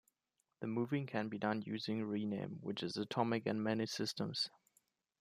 The moving can be done using rename, which is atomic in many systems.